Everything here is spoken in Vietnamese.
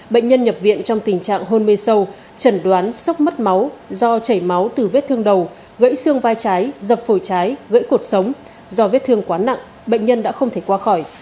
bệnh nhân nhập viện trong tình trạng hôn mê sâu trần đoán sốc mất máu do chảy máu từ vết thương đầu gãy xương vai trái dập phổi trái gãy cột sống do vết thương quá nặng bệnh nhân đã không thể qua khỏi